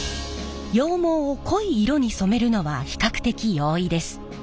羊毛を濃い色に染めるのは比較的容易です。